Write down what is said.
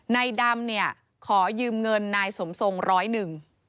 นายดำเนี่ยขอยืมเงินนายสมทรงร้อยหนึ่ง